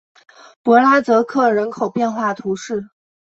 博拉泽克人口变化图示